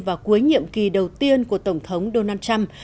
vào cuối nhiệm kỳ đầu tiên của tổng thống donald trump